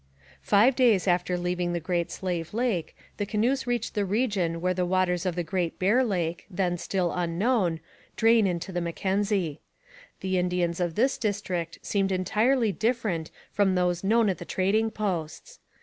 Five days after leaving the Great Slave Lake the canoes reached the region where the waters of the Great Bear Lake, then still unknown, drain into the Mackenzie. The Indians of this district seemed entirely different from those known at the trading posts.